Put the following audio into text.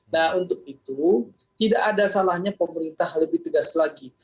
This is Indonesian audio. nah untuk itu tidak ada salahnya pemerintah lebih tegas lagi